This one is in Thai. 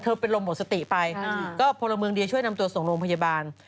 เป็นลมหมดสติไปก็พลเมืองดีช่วยนำตัวส่งโรงพยาบาล